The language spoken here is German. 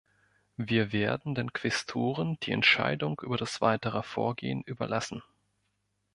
Wir werden den Quästoren die Entscheidung über das weitere Vorgehen überlassen.